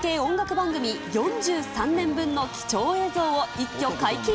番組４３年分の貴重映像を一挙解禁。